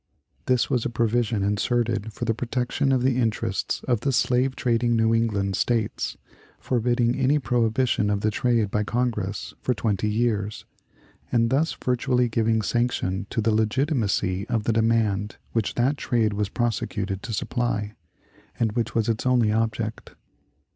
This was a provision inserted for the protection of the interests of the slave trading New England States, forbidding any prohibition of the trade by Congress for twenty years, and thus virtually giving sanction to the legitimacy of the demand which that trade was prosecuted to supply, and which was its only object.